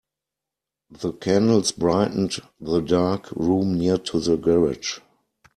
The candles brightened the dark room near to the garage.